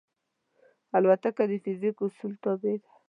الوتکه د فزیک اصولو تابع ده.